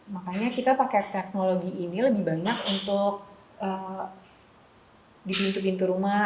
makanya kita pakai teknologi ini lebih banyak untuk di pintu pintu rumah